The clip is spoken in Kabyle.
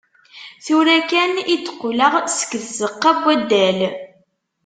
Tura kan i d-qqleɣ seg tzeqqa n waddal.